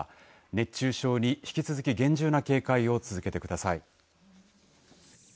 熱中症に引き続き厳重な警戒を続けてください。